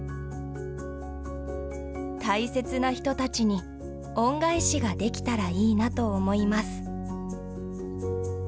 大切な人たちに恩返しができたらいいなと思います。